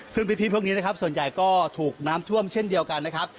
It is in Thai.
ซึ่งพี่พวกนี้นะครับส่วนใหญ่ก็ถูกน้ำท่วมเช่นเดียวกันนะครับ